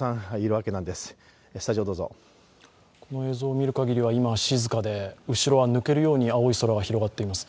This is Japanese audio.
この映像を見るかぎりは今、静かで後ろは抜けるような青空も広がっています。